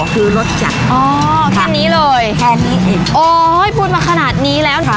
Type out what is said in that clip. อ๋อแค่นี้เลยแค่นี้เองโอ้ยพูดมาขนาดนี้แล้วครับ